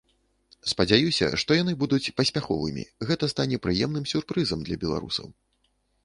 Спадзяюся, што яны будуць паспяховымі, гэта стане прыемным сюрпрызам для беларусаў.